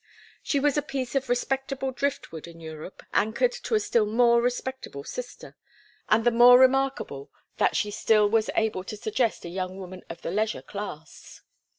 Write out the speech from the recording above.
She was a piece of respectable driftwood in Europe anchored to a still more respectable sister, and the more remarkable that she still was able to suggest a young woman of the leisure class.